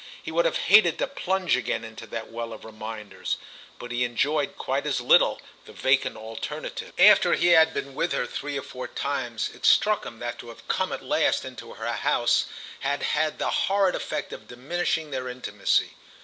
He would have hated to plunge again into that well of reminders, but he enjoyed quite as little the vacant alternative. After he had been with her three or four times it struck him that to have come at last into her house had had the horrid effect of diminishing their intimacy.